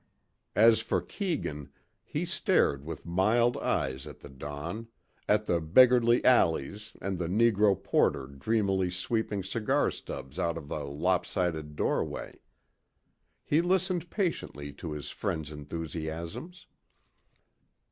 As for Keegan, he stared with mild eyes at the dawn, at the beggarly alleys and the negro porter dreamily sweeping cigar stubs out of a lopsided doorway. He listened patiently to his friend's enthusiasms.